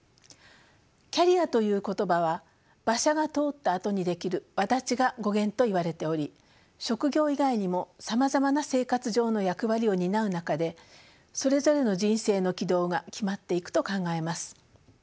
キャリアという言葉は馬車が通ったあとに出来る轍が語源と言われており職業以外にもさまざまな生活上の役割を担う中でそれぞれの人生の軌道が決まっていくと考えます。